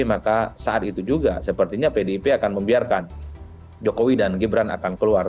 maka saat itu juga sepertinya pdip akan membiarkan jokowi dan gibran akan keluar